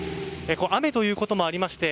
雨ということもありまして